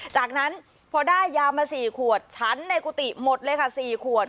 จากนั้นพอได้ยามา๔ขวดฉันในกุฏิหมดเลยค่ะ๔ขวด